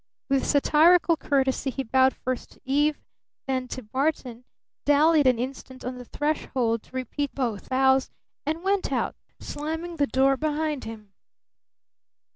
With satirical courtesy he bowed first to Eve, then to Barton, dallied an instant on the threshold to repeat both bows, and went out, slamming the door behind him.